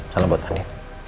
salam buat hari